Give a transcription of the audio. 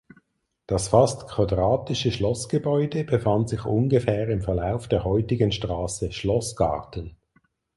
Das fast quadratische Schlossgebäude befand sich ungefähr im Verlauf der heutigen Straße „Schlossgarten“.